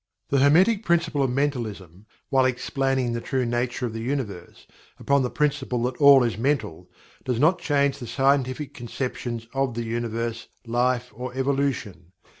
The Hermetic Principle of Mentalism, while explaining the true nature of the Universe upon the principle that all is Mental, does not change the scientific conceptions of the Universe, Life, or Evolution.